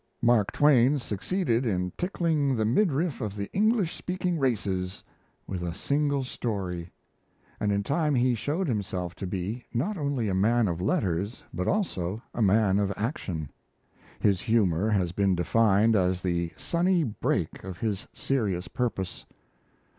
Mark Twain succeeded in "tickling the midriff of the English speaking races" with a single story; and in time he showed himself to be, not only a man of letters, but also a man of action. His humour has been defined as the sunny break of his serious purpose.